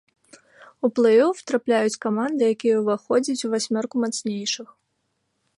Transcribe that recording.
У плэй-оф трапляюць каманды, якія ўваходзяць у васьмёрку мацнейшых.